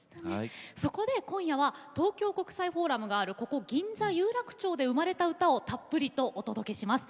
今夜は東京国際フォーラムがある、ここ銀座・有楽町から生まれた歌をたっぷりとお届けします。